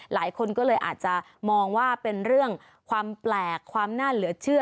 หลายคนก็เลยอาจจะมองว่าเป็นเรื่องความแปลกความน่าเหลือเชื่อ